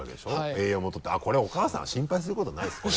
栄養もとってこれお母さんは心配することないですこれ。